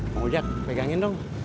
bang ojak pegangin dong